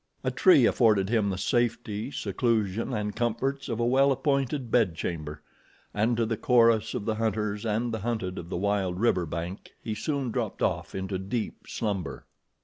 A tree afforded him the safety, seclusion and comforts of a well appointed bedchamber, and to the chorus of the hunters and the hunted of the wild river bank he soon dropped off into deep slumber.